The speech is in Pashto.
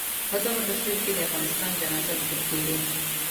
په دغه تصویر کې د افغانستان جنازه لیدل کېږي.